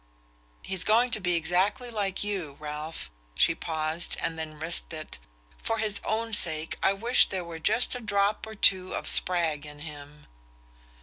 "He's going to be exactly like you, Ralph " she paused and then risked it: "For his own sake, I wish there were just a drop or two of Spragg in him."